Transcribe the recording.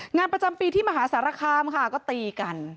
งานประจำปีที่มหาสารคามค่ะก็ตีกัน